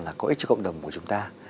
là có ích cho cộng đồng của chúng ta